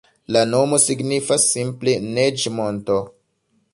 La nomo signifas simple Neĝ-monto.